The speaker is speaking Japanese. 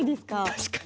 確かに。